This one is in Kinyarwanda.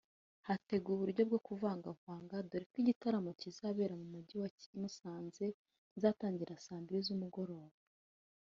Hateguwe uburyo bwo kubavangavanga dore ko igitaramo kizabera mu mujyi wa Musanze kizatangira saa mbiri z’umugoroba